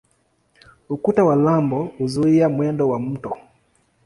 Ukuta wa lambo huzuia mwendo wa mto.